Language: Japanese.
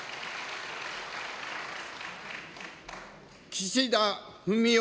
岸田文雄